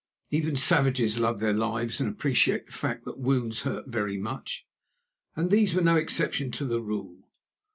Even savages love their lives and appreciate the fact that wounds hurt very much, and these were no exception to the rule.